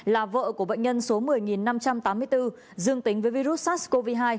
là vợ của bệnh nhân số một mươi năm trăm tám mươi bốn dương tính với virus sars cov hai